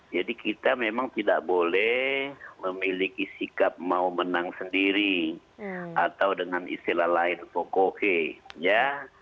jadi kita memang tidak boleh memiliki sikap mau menang sendiri atau dengan istilah lain pokoknya